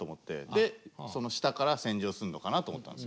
でその下から洗浄するのかなと思ったんですよ。